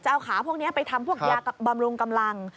เอาขาพวกนี้ไปทำพวกยาบำรุงกำลัง